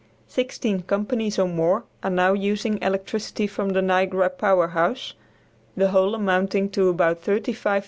Sixteen companies or more are now using electricity from the Niagara power house, the whole amounting to about 35,000 horse power.